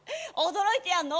驚いてやんの！